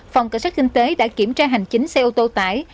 phòng cảnh sát kinh tế đã kiểm tra hành chính xe ô tô tải